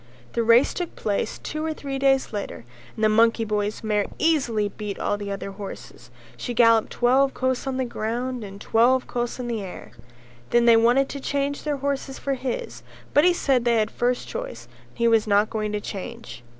The race took place two or three days later and the monkey boy's mare easily beat all the other horses, she gallopped twelve kos on the ground and twelve kos in the air. Then they wanted to change their horses for his, but he said they had had first choice and he was not going to change.